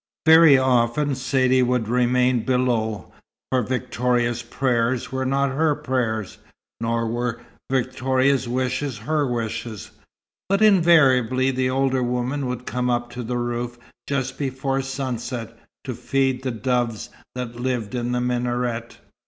Very often Saidee would remain below, for Victoria's prayers were not her prayers, nor were Victoria's wishes her wishes. But invariably the older woman would come up to the roof just before sunset, to feed the doves that lived in the minaret.